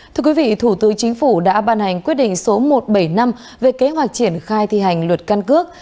thưa quý vị thủ tư chính phủ đã ban hành quyết định số một trăm bảy mươi năm về kế hoạch triển khai thi hành luật căn cước